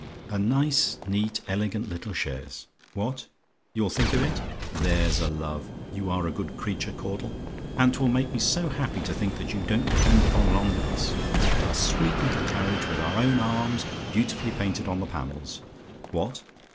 "A nice, neat, elegant little chaise. What? "YOU'LL THINK OF IT? "There's a love! You are a good creature, Caudle; and 'twill make me so happy to think you don't depend upon an omnibus. A sweet little carriage, with our own arms beautifully painted on the panels. What?